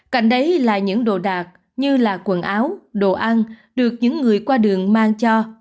cạnh đấy là những đồ đạc như là quần áo đồ ăn được những người qua đường mang cho